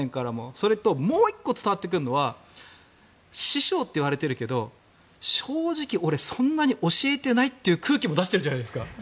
それと、もう１個伝わってくるのは師匠って言われてるけど正直俺そんなに教えてないという空気も出してるじゃないですか。